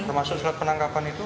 termasuk serat penangkapan itu